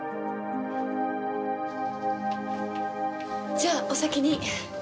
じゃあお先に。